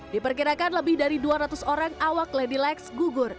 diperkirakan lebih dari dua ratus orang awak lady lex gugur